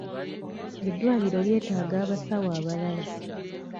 Eddwaliro lyetaaga abasawo abalala.